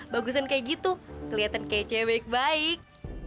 bagusan kayak gitu kelihatan kayak cewek baik